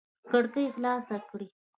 کړکۍ خلاص کړئ